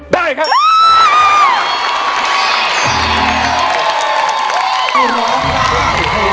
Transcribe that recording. ได้ครับ